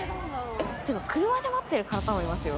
車で待ってる方もいますよ。